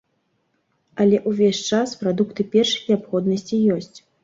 Але ўвесь час прадукты першай неабходнасці ёсць.